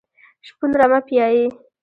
شپون رمه پیایي .